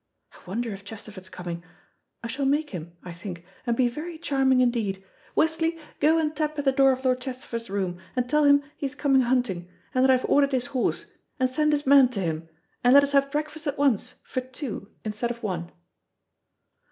I wonder if Chesterford's coming. I shall make him, I think, and be very charming indeed. Westley, go and tap at the door of Lord Chesterford's room, and tell him he is coming hunting, and that I've ordered his horse, and send his man to him, and let us have breakfast at once for two instead of one."